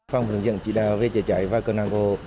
phòng hướng dẫn chỉ đạo về chữa cháy và cơ năng hồ